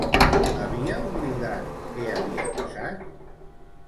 Havia oblidat què havia passat?